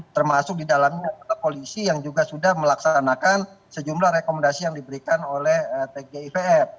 termasuk di dalamnya adalah polisi yang juga sudah melaksanakan sejumlah rekomendasi yang diberikan oleh tgipf